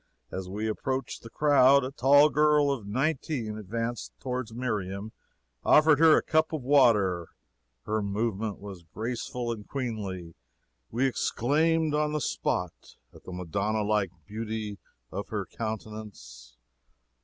As we approached the crowd a tall girl of nineteen advanced toward Miriam and offered her a cup of water. Her movement was graceful and queenly. We exclaimed on the spot at the Madonna like beauty of her countenance.